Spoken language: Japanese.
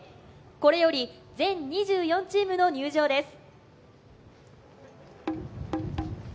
これより全２４チームの入場です。